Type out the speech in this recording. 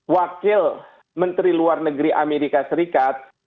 wakil menteri luar negeri amerika serikat